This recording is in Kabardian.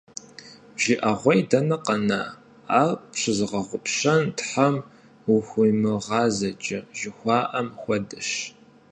ЖыӀэгъуей дэнэ къэна, ар пщызыгъэгъупщэн Тхьэм ухуимыгъазэкӀэ жыхуаӀэм хуэдэщ.